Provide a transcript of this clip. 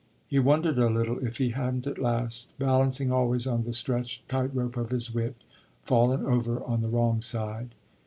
He wondered a little if he hadn't at last, balancing always on the stretched tight rope of his wit, fallen over on the wrong side.